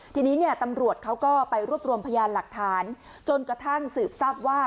ทีนี้เนี่ยตำรวจเขาก็ไปรวบรวมพยานหลักฐานจนกระทั่งสืบทราบว่า